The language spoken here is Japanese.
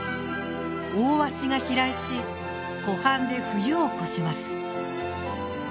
オオワシが飛来し湖畔で冬を越します。